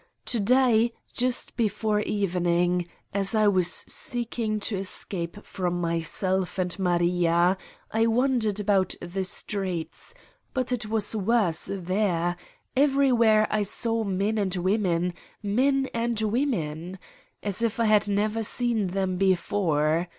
To day, just before evening, as I was seeking to escape from myself and Maria, I wandered about the streets, but it was worse 201 Satan's Diary there: everywhere I saw men and women, men and women. As if I had never seen them before